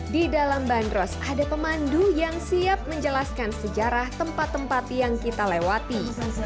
di dalam bandros ada pemandu yang siap menjelaskan sejarah tempat tempat yang kita lewati